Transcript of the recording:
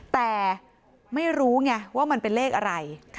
แต่ไม่รู้ไงว่ามันเป็นเลขอะไร